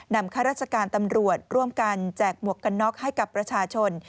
ข้าราชการตำรวจร่วมกันแจกหมวกกันน็อกให้กับประชาชน